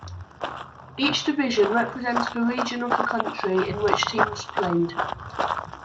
Each division represented a region of the country in which teams played.